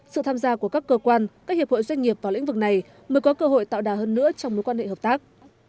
sự tham gia của các cơ quan các hiệp hội doanh nghiệp vào lĩnh vực này mới có cơ hội tạo đà hơn nữa trong mối quan hệ hợp tác